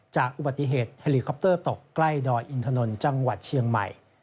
จากอุบัติเหตุเฮลีคอปเตอร์ตกใกล้ดอยอินทนจเชียงใหม่